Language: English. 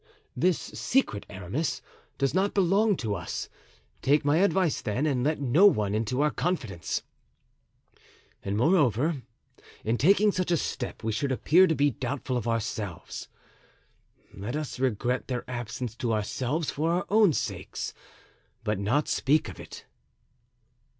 "This secret, Aramis, does not belong to us; take my advice, then, and let no one into our confidence. And moreover, in taking such a step we should appear to be doubtful of ourselves. Let us regret their absence to ourselves for our own sakes, but not speak of it."